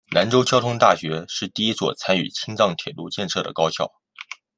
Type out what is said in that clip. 兰州交通大学是第一所参与青藏铁路建设的高校。